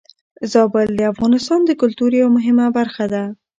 زابل د افغانستان د کلتور يوه مهمه برخه ده.